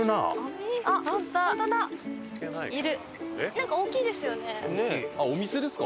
なんか大きいですよね。